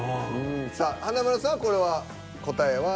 さあ華丸さんはこれは答えは？